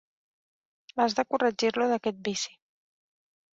Has de corregir-lo d'aquest vici.